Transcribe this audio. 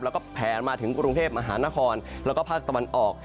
แล้วก็แผนมาถึงกรุงเทพมหานครแล้วก็ภาคตะวันออก